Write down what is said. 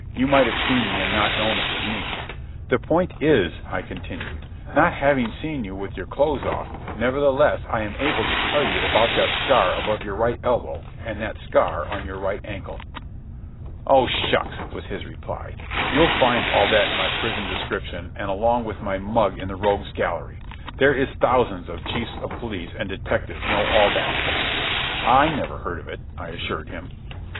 You might have seen me and not known it was me." "The point is," I continued, "not having seen you with your clothes off, nevertheless I am able to tell you about that scar above your right elbow, and that scar on your right ankle." "Oh, shucks," was his reply. "You'll find all that in my prison description and along with my mug in the rogues' gallery. They is thousands of chiefs of police and detectives know all that stuff." "I never heard of it," I assured him.